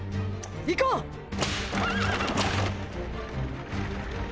行こう！！ッ！！